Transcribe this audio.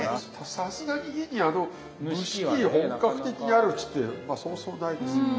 さすがに家にあの蒸し器本格的にあるうちってまあそうそうないですよね。